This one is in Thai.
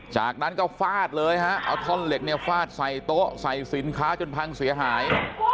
จากนั้นก็ฟาดเลยฮะเอาท่อนเหล็กเนี่ยฟาดใส่โต๊ะใส่สินค้าจนพังเสียหาย